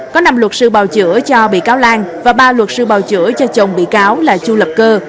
có năm luật sư bào chữa cho bị cáo lan và ba luật sư bào chữa cho chồng bị cáo là chu lập cơ